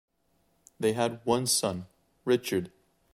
They had one son, Richard.